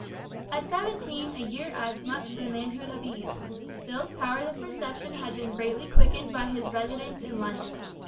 At seventeen a year adds much to the manhood of a youth. Phil's powers of perception had been greatly quickened by his residence in London.